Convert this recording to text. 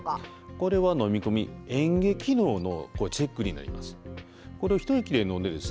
これは飲み込みえん下機能のチェックになります。